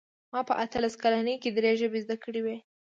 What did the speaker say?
ما په اتلس کلنۍ کې درې ژبې زده کړې وې